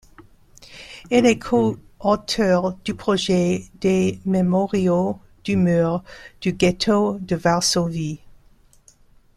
Elle est co-auteur du projet des mémoriaux du mur du ghetto de Varsovie.